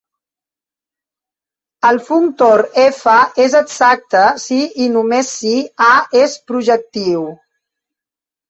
El functor "F" és exacte si i només si "A" és projectiu.